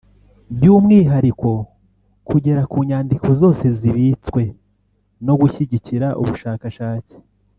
by’umwihariko kugera ku nyandiko zose zibitswe no gushyigikira ubushakashatsi